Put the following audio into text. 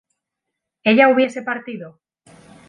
¿ella hubiese partido?